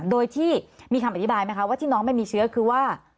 โดยที่มีคำอธิบายไหมคะว่าที่น้องไม่มีเชื้อคือว่า